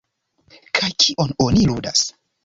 Kaj kion oni ludas?